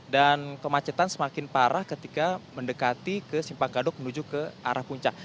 dan kemacetan semakin parah ketika mendekati ke simpang gadok menuju ke arah puncak